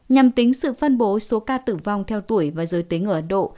nhằm tính sự phân bố số ca tử vong theo tuổi và giới tính ở ấn độ